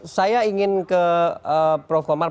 saya ingin ke prof komar